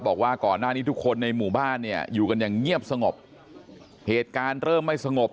บอกว่าก่อนหน้านี้ทุกคนในหมู่บ้านเนี่ยอยู่กันอย่างเงียบสงบเหตุการณ์เริ่มไม่สงบ